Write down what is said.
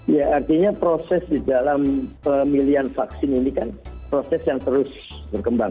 ya artinya proses di dalam pemilihan vaksin ini kan proses yang terus berkembang